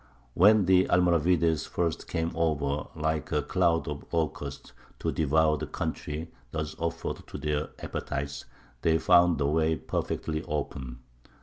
When the Almoravides first came over like a cloud of locusts to devour the country thus offered to their appetite, they found the way perfectly open.